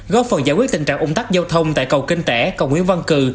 góp phần giải quyết tình trạng ủng tắc giao thông tại cầu kinh tẻ cầu nguyễn văn cử